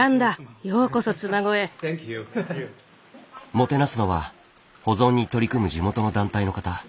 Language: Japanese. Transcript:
もてなすのは保存に取り組む地元の団体の方。